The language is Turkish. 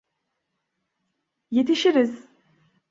Yetişiriz.